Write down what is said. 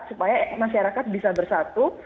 supaya masyarakat bisa bersatu